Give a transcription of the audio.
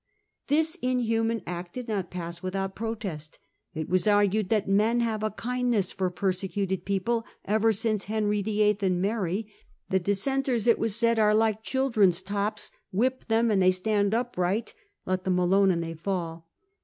* This inhuman Act did not pass without protest. It was argued that * men have a kindness for persecuted Arguments people ever since Henry VIII. and Mary;* against it. the Dissenters, it was said, ' are like children's tops ; whip them and they stand upright, let them alone and they fall.